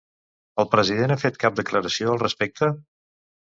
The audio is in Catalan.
El president ha fet cap declaració al respecte?